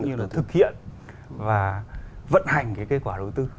cũng như là thực hiện và vận hành cái kế quả đầu tư